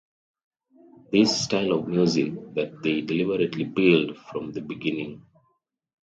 This style of music that they deliberately built from the beginning.